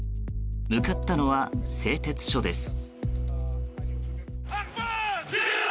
向かったのは製鉄所です。